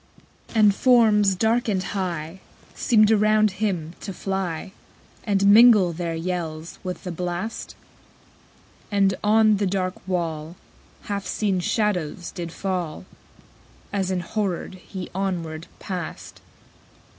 12. And forms, dark and high, _65 Seemed around him to fly, And mingle their yells with the blast: And on the dark wall Half seen shadows did fall, As enhorrored he onward passed.